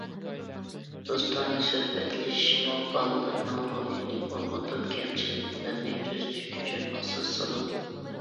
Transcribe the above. دوستانە سۆھبەتلىشىشمۇ بالىلارنىڭ روھىنى ئۇرغۇتۇپ، كەمچىلىكلىرىنى تۈزىتىش ئۈچۈن ئاساس سالىدۇ.